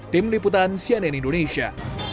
tim liputan cnn indonesia